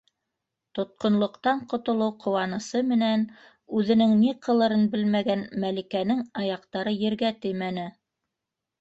Тотҡонлоҡтан ҡотолоу ҡыуанысы менән үҙенең ни ҡылырын белмәгән Мәликәнең аяҡтары ергә теймәне.